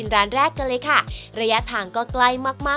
วันนี้ขอบคุณคุณโค้กมากครับ